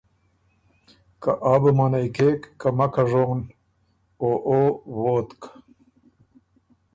که آ بو منعئ کېک که مکه ژون او او ووتک۔